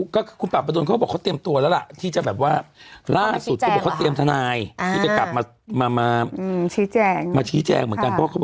เขาก็เสียหายเหมือนกัน